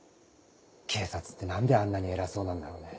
警察って何であんなに偉そうなんだろうね。